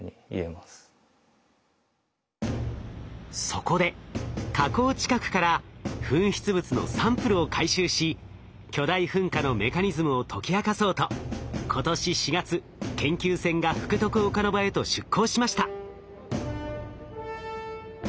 そこで火口近くから噴出物のサンプルを回収し巨大噴火のメカニズムを解き明かそうと今年４月研究船が福徳岡ノ場へと出航しました。